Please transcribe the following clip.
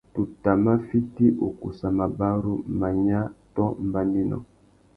Tu tà mà fiti ukussa mabarú, manya tô mbanuénô.